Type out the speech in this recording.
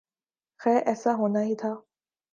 خیر ایسا ہونا ہی تھا۔